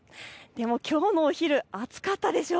きょうのお昼、暑かったでしょ。